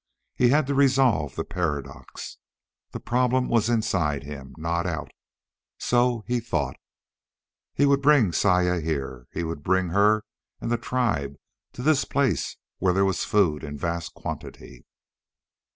He had to resolve the paradox. The problem was inside him, not out. So he thought. He would bring Saya here! He would bring her and the tribe to this place where there was food in vast quantity!